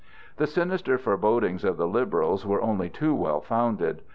The sinister forebodings of the liberals were only too well founded.